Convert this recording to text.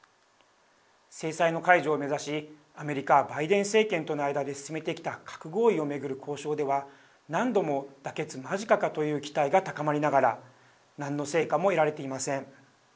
制裁の解除を目指しアメリカ、バイデン政権との間で進めてきた核合意を巡る交渉では何度も妥結間近かという期待が高まりながら何の成果も得られていません。